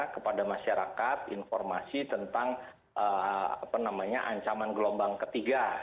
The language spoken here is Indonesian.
kepada masyarakat informasi tentang ancaman gelombang ketiga